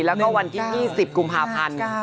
แล้วก็วันที่๒๐กุมภาพันธ์